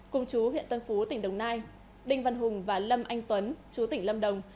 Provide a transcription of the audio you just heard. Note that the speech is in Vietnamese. cùng chú huyện tân phú tỉnh đồng nai đinh văn hùng và lâm anh tuấn chú tỉnh lâm đồng